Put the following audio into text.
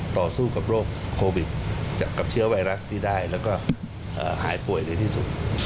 ต่อสู้กับโรคโควิดกับเชื้อไวรัสที่ได้แล้วก็หายป่วยในที่สุด